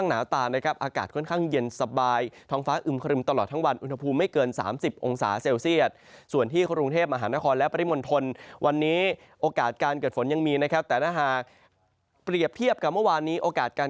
นะครับแต่น่าหาเปรียบเทียบกับเมื่อวานนี้โอกาสการ